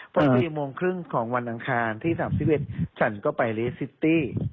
เพราะว่าสี่โมงครึ่งของวันอังคารที่สามสิบเอ็ดฉันก็ไปเลสซิตตี้